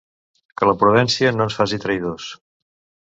Que la prudència no ens faci traïdors.